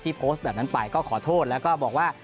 โพสต์แบบนั้นไปก็ขอโทษแล้วก็บอกว่า